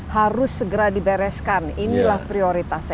harus segera dibereskan inilah prioritasnya